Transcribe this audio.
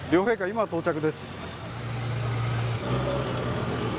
今到着です。